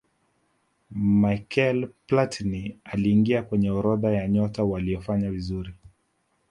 michael platin aliingia kwenye orodha ya nyota waliofanya vizuri